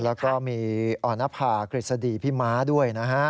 แล้วก็มีออนภากฤษฎีพี่ม้าด้วยนะฮะ